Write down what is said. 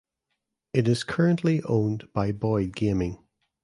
It is currently owned by Boyd Gaming.